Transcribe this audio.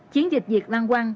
chiến dịch diệt vang quang